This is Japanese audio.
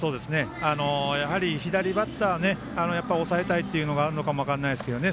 やはり左バッター抑えたいというのがあるのかも分からないですよね。